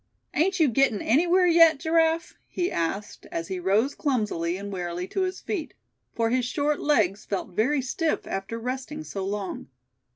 "Ain't you gettin' anywhere yet, Giraffe?" he asked, as he rose clumsily, and wearily to his feet; for his short legs felt very stiff after resting so long.